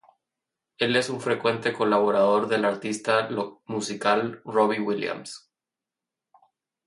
Él es un frecuente colaborador del artista musical Robbie Williams.